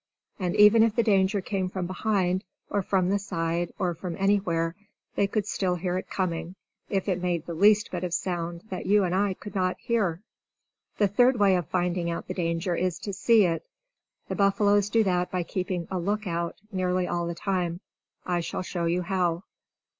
And even if the danger came from behind, or from the side, or from anywhere, they could still hear it coming, if it made the least bit of sound that you and I could not hear. The third way of finding out the danger is to see it. The buffaloes do that by keeping a lookout nearly all the time. I shall show you how.